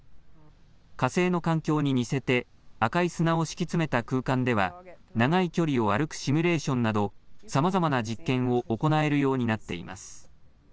火星の環境に似せて赤い砂を敷き詰めた空間では長い距離を歩くシミュレーションなどさまざまな実験を行えるようになっています。